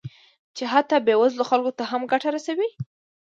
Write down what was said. چې حتی بې وزلو خلکو ته هم ګټه رسوي